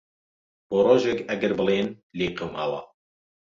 بۆ رۆژێک ئەگەر بڵێن لیێ قەوماوە.